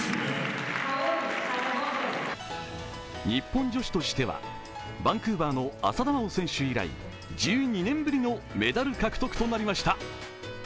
日本女子としては、バンクーバーの浅田真央選手以来、１２年ぶりのメダル獲得となりました。